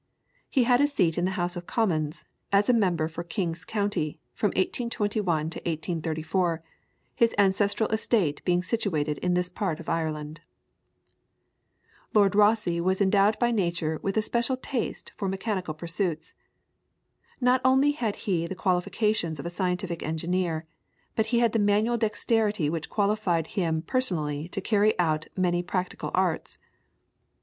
He had a seat in the House of Commons, as member for King's County, from 1821 to 1834, his ancestral estate being situated in this part of Ireland. [PLATE: THE EARL OF ROSSE.] Lord Rosse was endowed by nature with a special taste for mechanical pursuits. Not only had he the qualifications of a scientific engineer, but he had the manual dexterity which qualified him personally to carry out many practical arts.